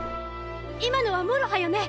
今のはもろはよね？